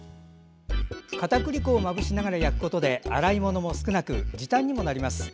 かたくり粉をまぶしながら焼くことで洗い物も少なく時短にもなります。